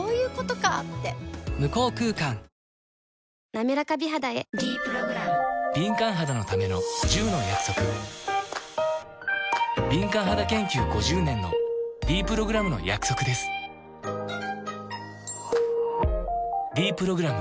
なめらか美肌へ「ｄプログラム」敏感肌研究５０年のｄプログラムの約束です「ｄプログラム」